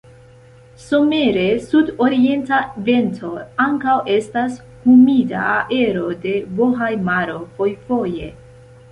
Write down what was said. Somere, sudorienta vento, ankaŭ estas humida aero de Bohaj-maro fojfoje.